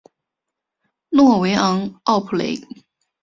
诺维昂奥普雷。